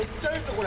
これ。